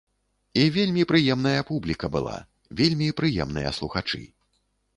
І вельмі прыемная публіка была, вельмі прыемныя слухачы.